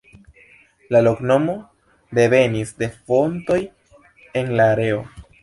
La loknomo devenis de fontoj en la areo.